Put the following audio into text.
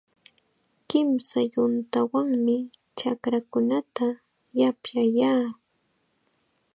Kimsa yuntawanmi chakraakunata yapyayaa.